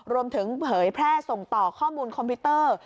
เผยแพร่ส่งต่อข้อมูลคอมพิวเตอร์